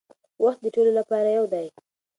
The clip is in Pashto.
وخت د ټولو لپاره یو دی.